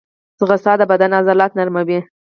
منډه د بدن عضلات نرموي